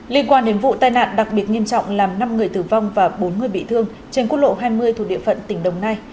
liên quan đến vụ tai nạn đặc biệt nghiêm trọng làm năm người tử vong và bốn người bị thương trên quốc lộ hai mươi thuộc địa phận tỉnh đồng nai